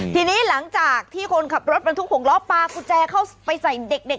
ทีนี้หลังจากที่คนขับรถบรรทุก๖ล้อปลากุญแจเข้าไปใส่เด็ก